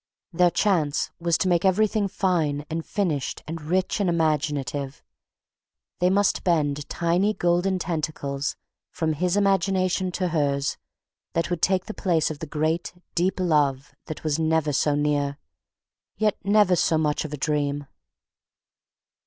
Their chance was to make everything fine and finished and rich and imaginative; they must bend tiny golden tentacles from his imagination to hers, that would take the place of the great, deep love that was never so near, yet never so much of a dream.